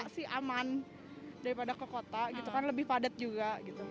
kita sih aman daripada ke kota lebih padat juga